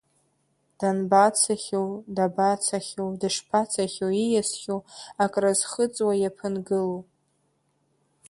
Данбацахьоу, дабацахьоу, дышԥацахьоу ииасхьоу акрызхыҵуа иаԥынгылоу…